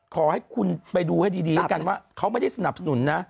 ขอให้คุณไปดูให้ดีแล้วกันว่าเขาไม่ได้สนับสนุนนะ